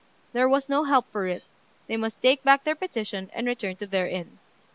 There was no help for it: they must take back their petition, and return to their inn.